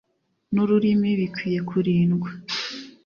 n’ururimi bikwiye kurindwa